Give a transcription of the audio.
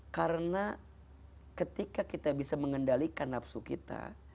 karena ketika kita bisa mengendalikan nafsu kita